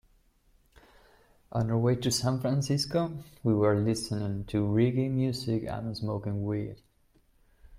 On our way to San Francisco, we were listening to reggae music and smoking weed.